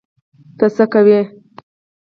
ته څه کوی؟